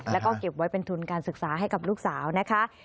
แล้วก็เก็บไว้เป็นทุนการศึกษาให้กับลูกสาวนะคะ